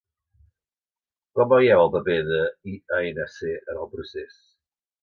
Com veieu el paper de lANC en el procés?